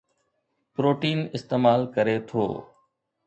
protein استعمال ڪري ٿو